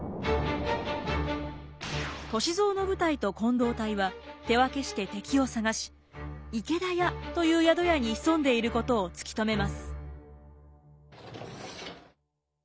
歳三の部隊と近藤隊は手分けして敵を探し池田屋という宿屋に潜んでいることを突き止めます。